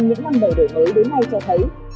những năm đầu đổi mới đến nay cho thấy